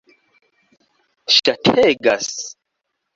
ŝategas